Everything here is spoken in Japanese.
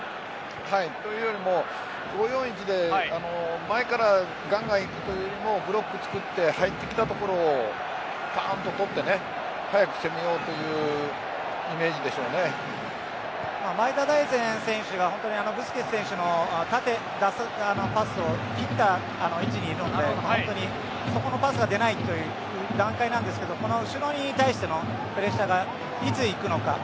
というよりも５−４−１で前からガンガン行くというよりもブロックを作って入ってきたところをとって早く攻めようという前田大然選手はブスケツ選手の縦に出すパスを切った位置にいるのでそこのパスが出ない段階ですが後ろに対してのプレッシャーがいつ行くのか。